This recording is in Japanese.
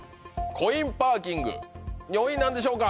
コインパーキング４位なんでしょうか？